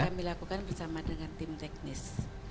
kami lakukan bersama dengan tim teknis